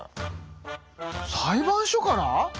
裁判所から？